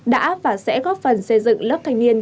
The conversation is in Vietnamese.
đã và sẽ góp phần xây dựng lớp thanh niên